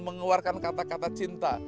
mengeluarkan kata kata cinta